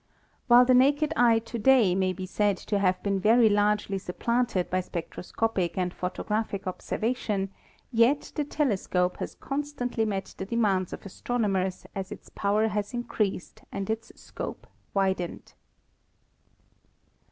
While the naked eye to day may be said to have been very largely supplanted by spectroscopic and photographic observation, yet the telescope has constantly met the demands of astronomers as its power has increased and its scope widened.